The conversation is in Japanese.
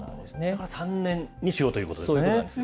だから３年にしようということですね。